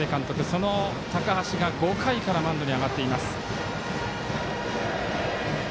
その高橋が５回からマウンドに上がっています。